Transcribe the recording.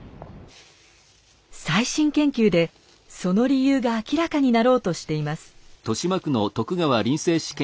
最新研究でその理由が明らかになろうとしています。